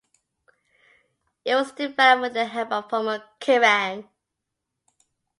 It was developed with the help of former Kerrang!